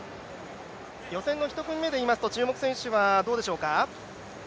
予選の１組目でいいますと、注目選手はどうでしょうか。